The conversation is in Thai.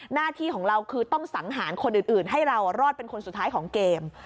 หน้าที่ของเราคือต้องสังหารคนอื่นให้เรารอดเป็นคนสุดท้ายของเกม